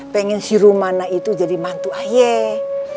pengen si rumana itu jadi mantu ayah